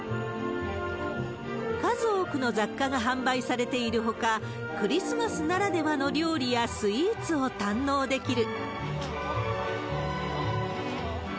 数多くの雑貨が販売されているほか、クリスマスならではの料理やスイーツを堪能できる。